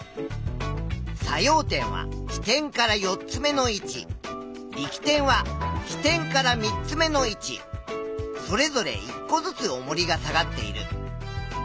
作用点は支点から４つ目の位置力点は支点から３つ目の位置それぞれ１個ずつおもりが下がっている。